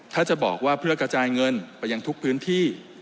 ถ้าจะบอกว่าเพื่อกระจายเงินไปยังทุกพื้นที่